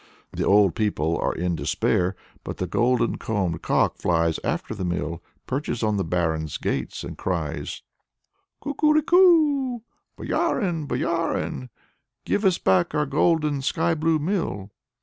The old people are in despair, but the golden combed cock flies after the mill, perches on the Barin's gates, and cries "Kukureku! Boyarin, Boyarin! Give us back our golden, sky blue mill!"